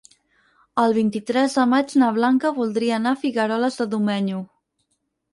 El vint-i-tres de maig na Blanca voldria anar a Figueroles de Domenyo.